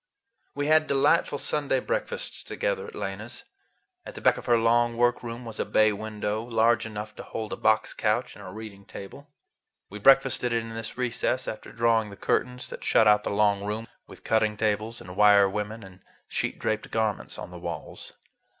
We had delightful Sunday breakfasts together at Lena's. At the back of her long work room was a bay window, large enough to hold a box couch and a reading table. We breakfasted in this recess, after drawing the curtains that shut out the long room, with cutting tables and wire women and sheet draped garments on the walls.